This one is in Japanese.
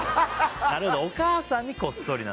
なるほどお母さんにこっそりなんですね